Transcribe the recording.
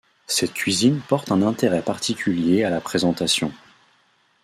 Cette cuisine porte un intérêt particulier à la présentation.